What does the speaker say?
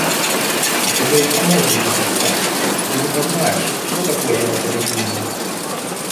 У цябе ў самой будзе дзіця, тады ты пазнаеш, што такое яно табе будзе.